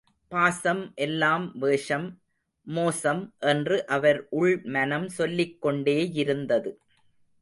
பாசம் எல்லாம் வேஷம், மோசம், என்று அவர் உள் மனம் சொல்லிக் கொண்டேயிருந்தது.